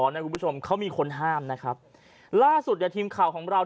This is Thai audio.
นะคุณผู้ชมเขามีคนห้ามนะครับล่าสุดเนี่ยทีมข่าวของเรา